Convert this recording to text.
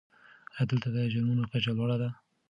آیا دلته د جرمونو کچه لوړه ده؟